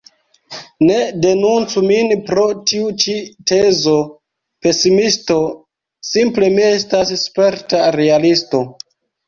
Ne denuncu min pro tiu ĉi tezo pesimisto; simple mi estas sperta realisto.